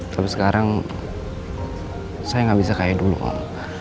tapi sekarang saya nggak bisa kayak dulu om